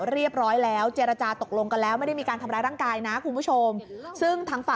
เราอยากรู้